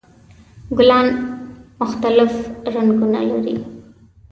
ګلان مختلف رنګونه لري.